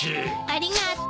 ありがと。